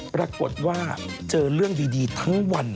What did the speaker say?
ปรากฏว่าเจอเรื่องดีทั้งวัน